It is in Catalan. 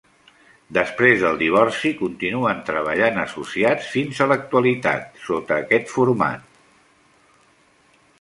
Després del divorci continuen treballant associats fins a l'actualitat sota aquest format.